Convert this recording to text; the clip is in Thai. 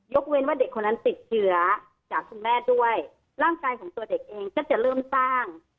เว้นว่าเด็กคนนั้นติดเชื้อจากคุณแม่ด้วยร่างกายของตัวเด็กเองก็จะเริ่มสร้าง